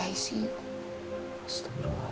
pasti berulang lagi